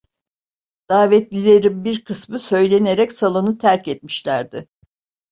Davetlilerin bir kısmı söylenerek salonu terk etmişlerdi.